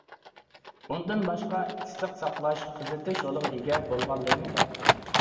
ئۇندىن باشقا ئىسسىق ساقلاش، قىزىتىش رولىغا ئىگە بولغانلىرىمۇ بار.